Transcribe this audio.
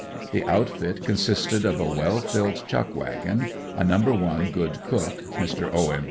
The outfit consisted of a well filled chuck wagon, a number one good cook, Mr. O. M.